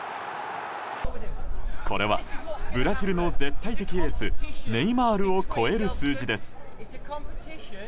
これは、ブラジルの絶対的エースネイマールを超える数字です。